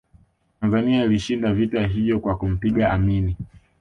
tanzania ilishinda vita hivyo kwa kumpiga amini